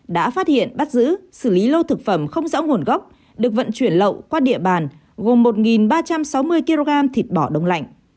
đã phát hiện bắt giữ xử lý lô thực phẩm không rõ nguồn gốc được vận chuyển lậu qua địa bàn gồm một ba trăm sáu mươi kg thịt bỏ đông lạnh